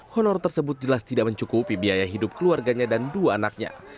honor tersebut jelas tidak mencukupi biaya hidup keluarganya dan dua anaknya